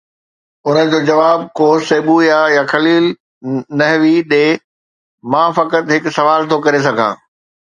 ان جو جواب ڪو سيبويه يا خليل نحوي ڏئي، مان فقط هڪ سوال ٿو ڪري سگهان.